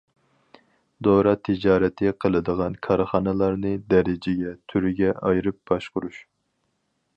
دورا تىجارىتى قىلىدىغان كارخانىلارنى دەرىجىگە، تۈرگە ئايرىپ باشقۇرۇش.